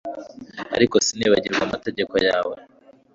ariko sinibagirwe amategeko yawe